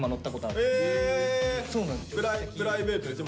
プライベートでしょ？